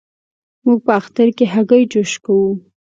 موږ په اختر کې هګی جوش کوو.